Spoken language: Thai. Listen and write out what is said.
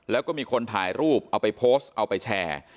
แล้วก็มีคนถ่ายรูปเอาไปโพสต์เอาไปแชร์